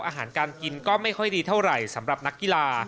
อาหารการกินก็ไม่ค่อยดีเท่าไหร่สำหรับนักกีฬา